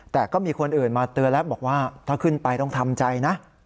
แต่ก็มีคนอื่นมาเตือนแล้วบอกว่าถ้าขึ้นไปต้องทำใจนะ